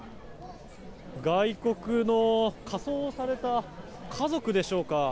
外国の仮装をされた家族でしょうか。